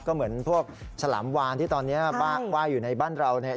ก็เหมือนพวกฉลามวานที่ตอนนี้ไหว้อยู่ในบ้านเราเนี่ย